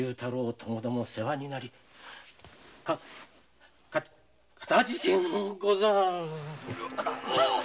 ともども世話になりかたじけのうござる。